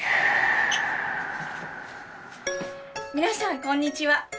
皆さんこんにちは。